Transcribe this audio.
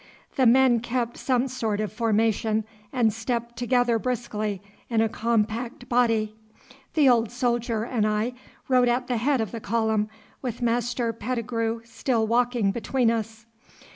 The men kept some sort of formation, and stepped together briskly in a compact body. The old soldier and I rode at the head of the column, with Master Pettigrue still walking between us.